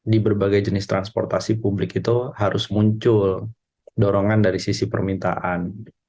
di berbagai jenis transportasi publik itu harus muncul dorongan dari sisi permintaan